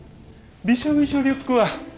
びしょびしょリュックは。